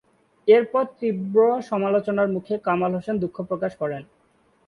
এরপর তীব্র সমালোচনার মুখে কামাল হোসেন দুঃখ প্রকাশ করেন।